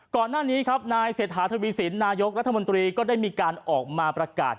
ก่อนหน้านี้ครับนายเศรษฐาทวีสินนายกรัฐมนตรีก็ได้มีการออกมาประกาศ